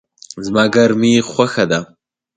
زما ګرمی خوښه ده